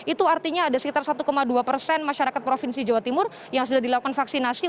itu artinya ada sekitar satu dua persen masyarakat provinsi jawa timur yang sudah dilakukan vaksinasi